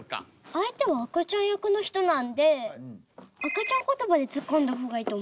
相手は赤ちゃん役の人なので赤ちゃんことばでツッコんだ方がいいと思います。